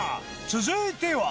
続いては